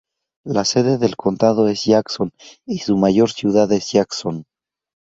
La sede del condado es Jackson, y su mayor ciudad es Jackson.